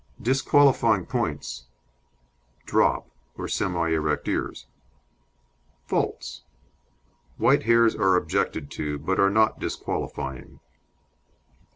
DISQUALIFYING POINTS Drop, or semi erect ears. FAULTS White hairs are objected to, but are not disqualifying.